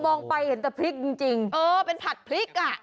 มองไปเห็นแต่พริกจริงอ๋อเป็นผัดพริก